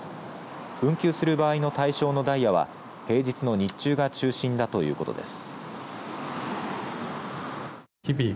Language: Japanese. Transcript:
運休する場合の対象のダイヤは平日の日中が中心だということです。